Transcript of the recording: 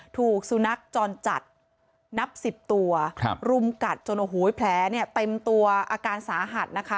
ถูกสุนัขจรจัดนับ๑๐ตัวรุมกัดจนแผลเต็มตัวอาการสาหัส